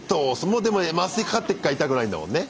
もうでも麻酔かかってっから痛くないんだもんね。